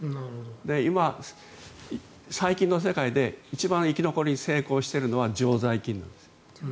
今、細菌の世界で一番生き残りに成功しているのは常在菌なんです。